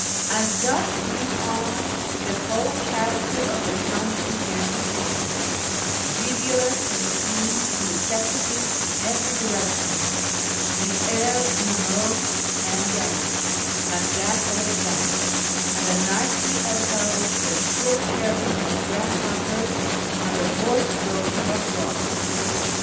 As dusk drew on the whole character of the country began to change: rivulets and streams intersected it in every direction ; the air grew moist and damp, like that of a fen ; and the night re echoed with the shrill chirping of grasshopj^ers and the hoarse croaking of frogs.